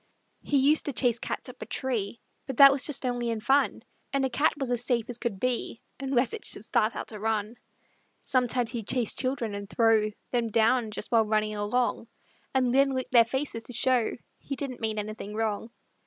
He used to chase cats up a tree, But that was just only in fun; And a cat was as safe as could be Unless it should start out to run; Sometimes he'd chase children and throw Them down, just while running along, And then lick their faces to show He didn't mean anything wrong.